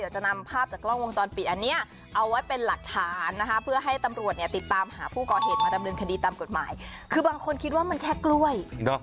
จะนำภาพจากกล้องวงจรปิดอันเนี้ยเอาไว้เป็นหลักฐานนะคะเพื่อให้ตำรวจเนี่ยติดตามหาผู้ก่อเหตุมาดำเนินคดีตามกฎหมายคือบางคนคิดว่ามันแค่กล้วย